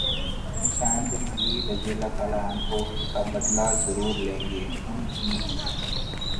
حسین بن علی رض کا بدلہ ضرور لیں گے انکی